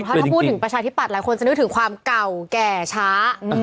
ถ้าพูดถึงประชาธิบัตย์หลายคนจะนึกถึงความเก่าแก่ช้า